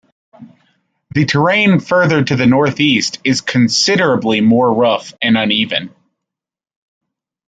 The terrain farther to the northeast is considerably more rough and uneven.